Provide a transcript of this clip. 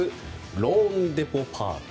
ローンデポ・パーク。